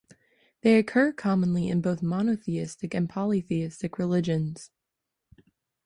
They occur commonly in both monotheistic and polytheistic religions.